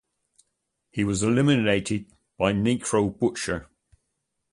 He was eliminated by Necro Butcher.